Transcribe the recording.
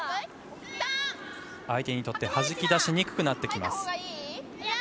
相手にとってはじき出しにくくなってきます。